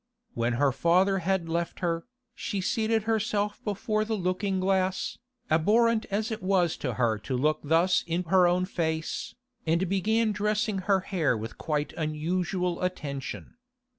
When her father had left her, she seated herself before the looking glass, abhorrent as it was to her to look thus in her own face, and began dressing her hair with quite unusual attention.